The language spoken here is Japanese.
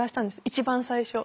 一番最初。